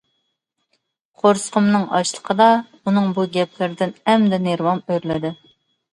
قورسىقىمنىڭ ئاچلىقىدا، ئۇنىڭ بۇ گەپلىرىدىن ئەمدى نېرۋام ئۆرلىدى.